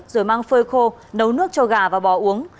rồi mang phơi khô nấu nước cho gà và bò uống